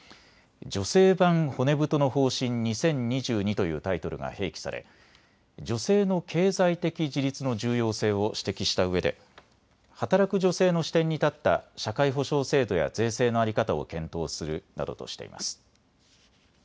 女性版骨太の方針２０２２というタイトルが併記され女性の経済的自立の重要性を指摘したうえで働く女性の視点に立った社会保障制度や税制の在り方を検討するなどとしています。